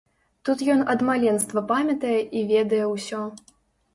Тут ён ад маленства памятае і ведае ўсё.